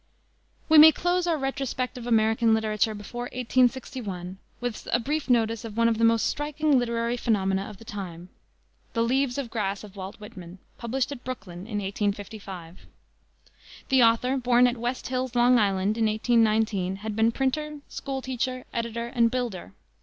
We may close our retrospect of American literature before 1861 with a brief notice of one of the most striking literary phenomena of the time the Leaves of Grass of Walt Whitman, published at Brooklyn in 1855. The author, born at West Hills, Long Island, in 1819, had been printer, school teacher, editor, and builder.